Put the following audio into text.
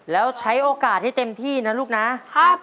แล้วใช้โอกาสให้เต็มที่นะลูกนะครับ